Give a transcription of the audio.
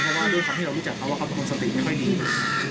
เพราะว่าด้วยความที่เรารู้จักเขาว่าเขาเป็นคนสติไม่ค่อยดี